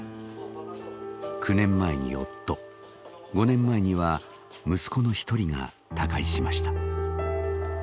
９年前に夫５年前には息子の１人が他界しました。